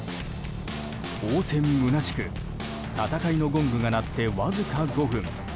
応戦むなしく戦いのゴングが鳴ってわずか５分